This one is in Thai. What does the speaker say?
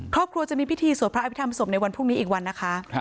ครอบครัวจะมีพิธีสวดพระอภิษฐรรศพในวันพรุ่งนี้อีกวันนะคะ